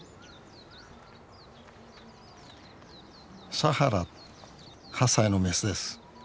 サハラ８歳のメスです。